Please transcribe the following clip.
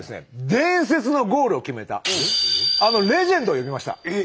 伝説のゴールを決めたあのレジェンドを呼びました！